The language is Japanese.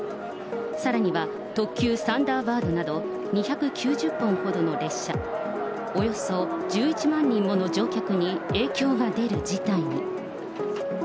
さらには特急サンダーバードなど２９０本ほどの列車、およそ１１万人もの乗客に影響が出る事態に。